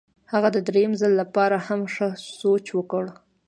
هغه د درېیم ځل لپاره هم ښه سوچ وکړ.